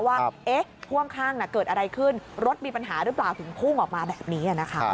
ว่าพ่วงข้างเกิดอะไรขึ้นรถมีปัญหาหรือเปล่าถึงพุ่งออกมาแบบนี้นะคะ